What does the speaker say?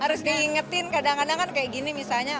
harus diingetin kadang kadang kan kayak gini misalnya